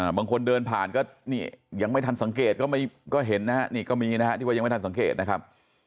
บางคนเดินผ่านก็ยังไม่ทันสังเกตก็เห็นนะครับยังไม่ทันสังเกตนะครับ